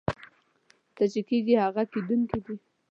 څه چې کېږي هغه کېدونکي دي.